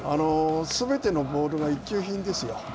すべてのボールが一級品ですよ。